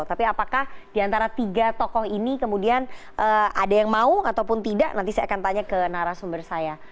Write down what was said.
tapi apakah diantara tiga tokoh ini kemudian ada yang mau ataupun tidak nanti saya akan tanya ke narasumber saya